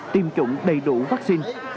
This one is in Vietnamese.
tiêm chủng đầy đủ vaccine